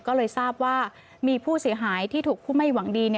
ก็เลยทราบว่ามีผู้เสียหายที่ถูกผู้ไม่หวังดี